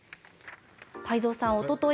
太蔵さん、おととい